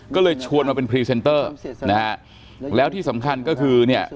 ก็เลยชวนมาเป็นพรีเซนเตอร์นะฮะแล้วที่สำคัญก็คือเนี่ย